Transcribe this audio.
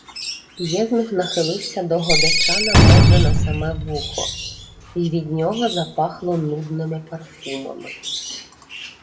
Євнух нахилився до Годечана майже на саме вухо, й від нього запахло нудними парфумами: